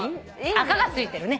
あかが付いてるね。